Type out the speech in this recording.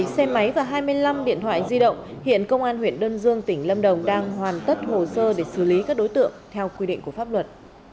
một mươi xe máy và hai mươi năm điện thoại di động hiện công an huyện đơn dương tỉnh lâm đồng đang hoàn tất hồ sơ để xử lý các đối tượng theo quy định của pháp luật